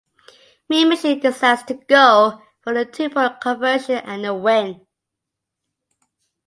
Mean Machine decides to go for the two-point conversion and the win.